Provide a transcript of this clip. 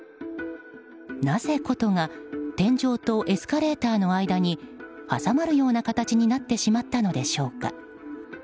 なぜ、琴が天井とエスカレーターの間に挟まるような形になってしまったのでしょうか。